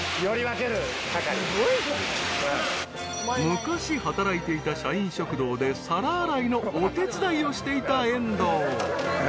［昔働いていた社員食堂で皿洗いのお手伝いをしていた遠藤］